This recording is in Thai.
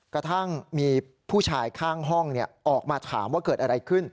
กระทั่งมีผู้ชายข้างห้องออกมาถามว่าเกิดอะไรขึ้น